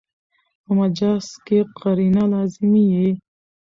په مجاز کښي قرینه لازمي يي.